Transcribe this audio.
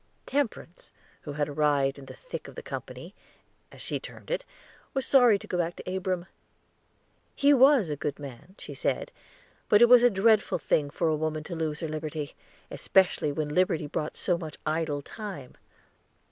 Temperance, who had arrived in the thick of the company, as she termed it, was sorry to go back to Abram. He was a good man, she said; but it was a dreadful thing for a woman to lose her liberty, especially when liberty brought so much idle time.